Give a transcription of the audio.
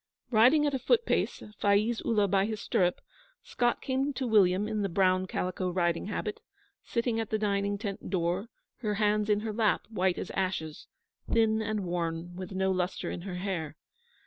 Riding at a foot pace, Faiz Ullah by his stirrup, Scott came to William in the brown calico riding habit, sitting at the dining tent door, her hands in her lap, white as ashes, thin and worn, with no lustre in her hair.